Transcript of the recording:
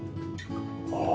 ああ。